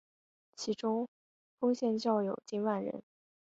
其中丰县教友近万人。